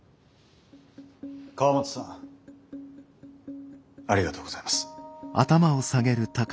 河本さんありがとうございます。